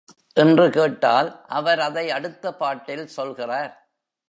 என்று கேட்டால், அவர் அதை அடுத்த பாட்டில் சொல்கிறார்.